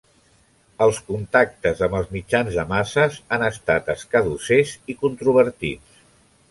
Els contactes amb els mitjans de masses han estat escadussers i controvertits.